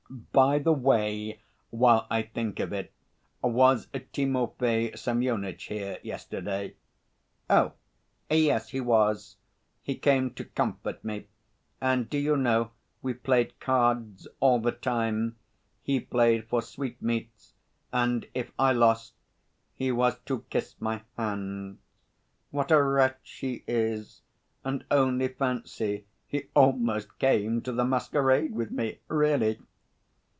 "By the way, while I think of it, was Timofey Semyonitch here yesterday?" "Oh, yes, he was; he came to comfort me, and do you know, we played cards all the time. He played for sweet meats, and if I lost he was to kiss my hands. What a wretch he is! And only fancy, he almost came to the masquerade with me, really!"